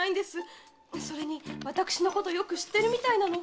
それに私のことよく知ってるみたいなの。